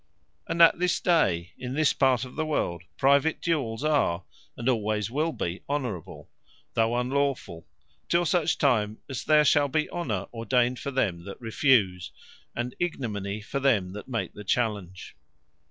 And at this day, in this part of the world, private Duels are, and alwayes will be Honourable, though unlawfull, till such time as there shall be Honour ordained for them that refuse, and Ignominy for them that make the Challenge.